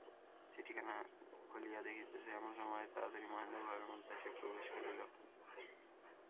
চিঠিখানা খুলিয়া দেখিতেছে, এমন সময় তাড়াতাড়ি মহেন্দ্র ঘরের মধ্যে আসিয়া প্রবেশ করিল।